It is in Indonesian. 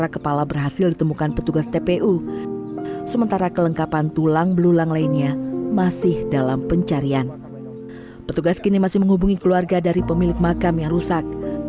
keluarga dari pemilik makam yang rusak